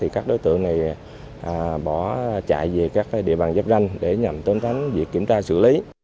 các đối tượng này bỏ chạy về các địa bàn giáp ranh để nhằm tôn tránh việc kiểm tra xử lý